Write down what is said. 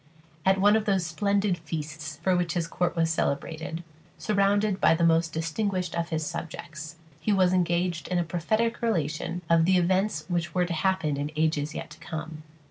At one of those splendid feasts for which his court was celebrated, surrounded by the most distinguished of his subjects, he was engaged in a prophetic relation of the events which were to happen in ages yet to come.